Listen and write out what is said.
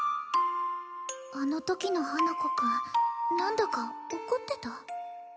あの時の花子くん何だか怒ってた？